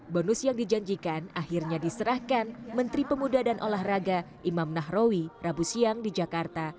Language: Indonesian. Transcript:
bonus yang dijanjikan akhirnya diserahkan menteri pemuda dan olahraga imam nahrawi rabu siang di jakarta